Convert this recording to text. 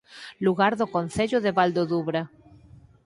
Lugar do Concello de Val do Dubra